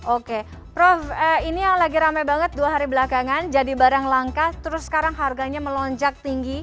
oke prof ini yang lagi rame banget dua hari belakangan jadi barang langka terus sekarang harganya melonjak tinggi